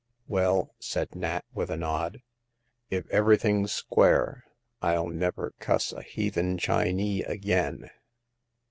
''" Well," said Nat, with a nod, '* if everything's square, FU never cuss a heathen Chinee again.